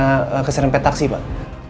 karena keserenpetaksi pak